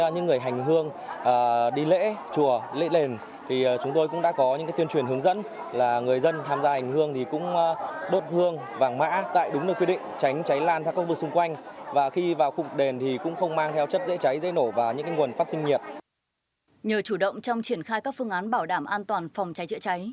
nhờ chủ động trong triển khai các phương án bảo đảm an toàn phòng cháy chữa cháy